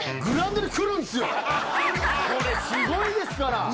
これすごいですから！